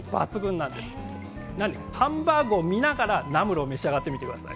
なのでハンバーグを見ながらナムルを召し上がってみてください。